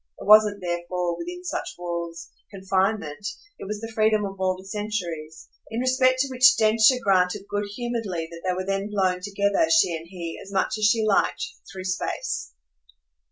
It wasn't therefore, within such walls, confinement, it was the freedom of all the centuries: in respect to which Densher granted good humouredly that they were then blown together, she and he, as much as she liked, through space.